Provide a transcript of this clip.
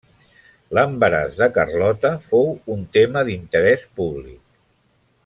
L'embaràs de Carlota fou un tema d'interès públic.